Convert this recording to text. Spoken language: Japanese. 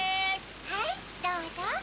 はいどうぞ。